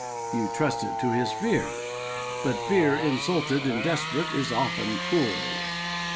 You trusted to his fear, but fear, insulted and desperate, is often cruel.